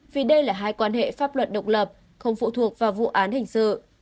vì đây là hai quan hệ pháp luật độc lập không phụ thuộc vào vụ án hình sự